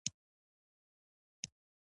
ترې یو رومانتیک پښتون مکتب جوړ شو.